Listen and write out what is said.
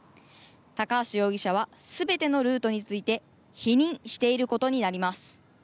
高橋容疑者は全てのルートについて否認していることになります。